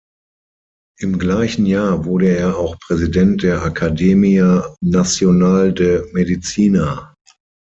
Im gleichen Jahr wurde er auch Präsident der Academia Nacional de Medicina.